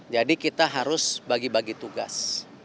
jadi kita harus bagi bagi tugas